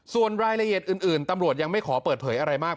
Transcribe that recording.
ส่วนรายละเอียดอื่นตำรวจยังไม่ขอเปิดเผยอะไรมาก